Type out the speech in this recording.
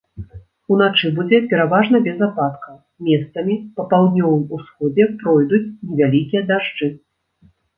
Уначы будзе пераважна без ападкаў, месцамі па паўднёвым усходзе пройдуць невялікія дажджы.